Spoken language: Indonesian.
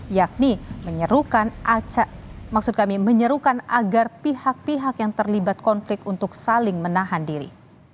yakni menyerukan agar pihak pihak yang terlibat konflik untuk saling menahan diri